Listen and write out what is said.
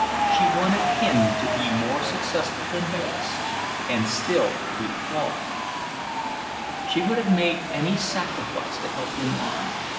She wanted him to be more successful than Bayliss AND STILL BE CLAUDE. She would have made any sacrifice to help him on.